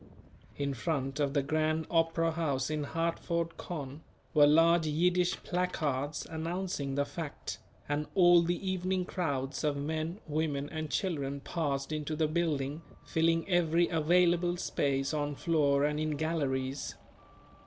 In front of the Grand Opera House in Hartford, Conn., were large Yiddish placards announcing the fact, and all the evening crowds of men, women and children passed into the building filling every available space on floor and in galleries.